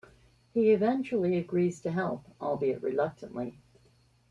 He eventually agrees to help, albeit reluctantly.